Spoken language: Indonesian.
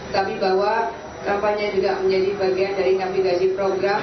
tapi bahwa kampanye juga menjadi bagian dari ngambilisasi program